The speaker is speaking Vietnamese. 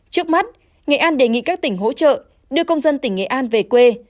trước mắt nghệ an đề nghị các tỉnh hỗ trợ đưa công dân tỉnh nghệ an về quê